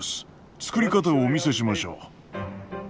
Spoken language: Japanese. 作り方をお見せしましょう。